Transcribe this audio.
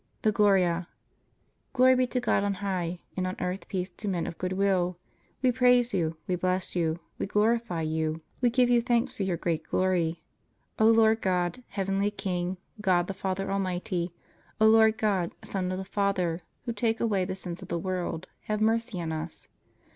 THE GLORIA Glory be to God on high, and on earth peace to men of good will. We praise You. We bless You. We glorify You. We give You thanks for Your great glory, O Lord God, heavenly King, God the Father almighty. O Lord God, Son of the Father, Who take away the sins of the world, have mercy on us.